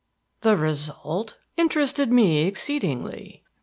The result interested me exceedingly.